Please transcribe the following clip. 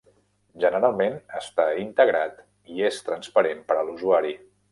Generalment està integrat i és transparent per a l'usuari.